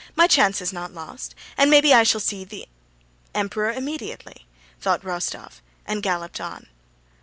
My chance is not lost, and maybe I shall see the Emperor immediately!" thought Rostóv and galloped on.